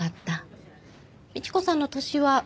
倫子さんの年は。